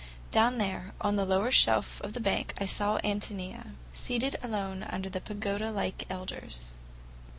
Down there, on the lower shelf of the bank, I saw Ántonia, seated alone under the pagoda like elders.